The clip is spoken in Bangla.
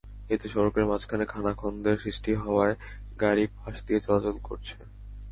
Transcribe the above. এতে সড়কের মাঝখানে খানাখন্দের সৃষ্টি হওয়ায় গাড়ি পাশ দিয়ে চলাচল করছে।